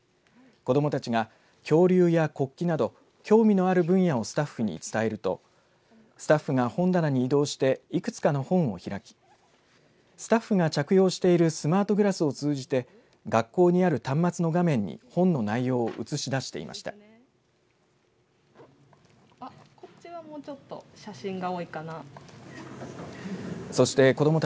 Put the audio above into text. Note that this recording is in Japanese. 子どもたちが、恐竜や国旗など興味のある分野をスタッフに伝えるとスタッフが本棚に移動していくつかの本を開きスタッフが着用しているスマートグラスを通じて学校にある端末の画面に本の内容を映し出していました。